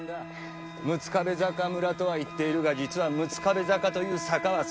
六壁坂村とは言っているが実は六壁坂という坂は存在しない。